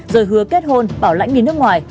rồi hứa kết hôn bảo lãnh nghìn nước ngoài